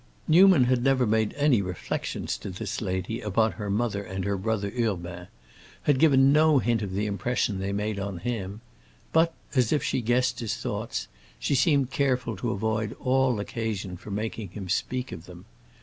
Newman had never made any reflections to this lady upon her mother and her brother Urbain; had given no hint of the impression they made upon him. But, as if she had guessed his thoughts, she seemed careful to avoid all occasion for making him speak of them.